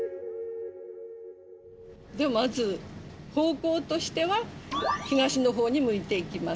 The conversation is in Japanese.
まず方向としては東のほうに向いて行きます。